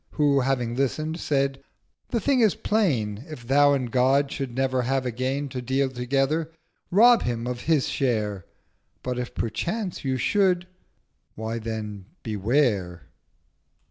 Who, having listen'd, said—'The Thing is plain: 1020 If Thou and God should never have again To deal together, rob him of his share: But if perchance you should—why then Beware!'